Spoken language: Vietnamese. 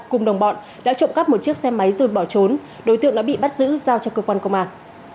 cùng đồng bọn đã trộm cắp một chiếc xe máy rồi bỏ trốn đối tượng đã bị bắt giữ giao cho cơ quan công an